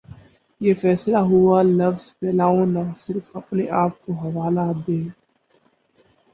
یہ فیصلہ ہوا لفظ پھیلاؤ نے صرف اپنے آپ کا حوالہ دیا